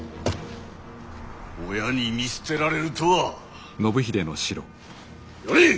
親に見捨てられるとは。